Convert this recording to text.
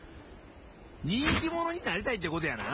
にんきものになりたいってことやな？